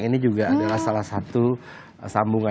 ini juga adalah salah satu sambungan